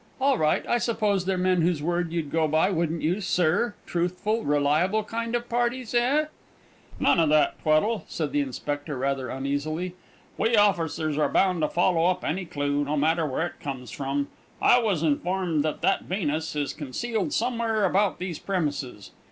All right. I suppose they're men whose word you'd go by, wouldn't you, sir truthful, reliable kind of parties, eh?" "None of that, Tweddle," said the Inspector, rather uneasily. "We officers are bound to follow up any clue, no matter where it comes from. I was informed that that Venus is concealed somewhere about these premises.